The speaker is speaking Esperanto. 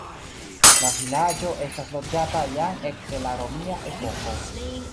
La vilaĝo estas loĝata jam ekde la romia epoko.